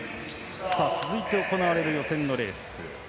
続いて行われる予選のレース。